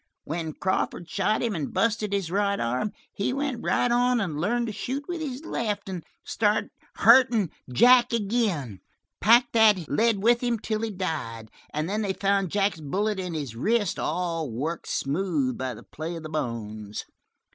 When Crawford shot him and busted his right arm, he went right on and learned to shoot with his left and started huntin' Jack again. Packed that lead with him till he died, and then they found Jack's bullet in his wrist, all worked smooth by the play of the bones.